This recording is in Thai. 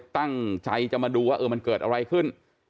ตั้งใจจะมาดูว่ามันเกิดอะไรขึ้น